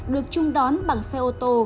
được chung đón bằng xe ô tô